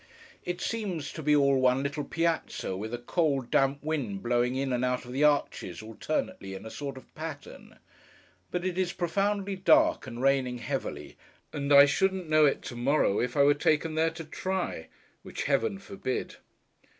It seems to be all one little Piazza, with a cold damp wind blowing in and out of the arches, alternately, in a sort of pattern. But it is profoundly dark, and raining heavily; and I shouldn't know it to morrow, if I were taken there to try. Which Heaven forbid.